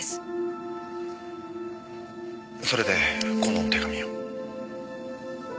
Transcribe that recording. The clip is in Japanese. それでこの手紙を。